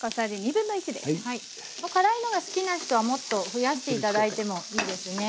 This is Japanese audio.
辛いのが好きな人はもっと増やして頂いてもいいですね。